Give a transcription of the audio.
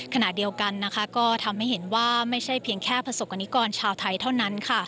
ขณะเดียวกันก็ทำให้เห็นว่าไม่ใช่เพียงแค่ประสบกรณิกรชาวไทยเท่านั้น